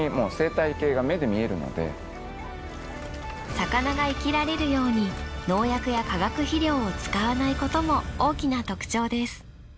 魚が生きられるように農薬や化学肥料を使わないことも大きな特徴です。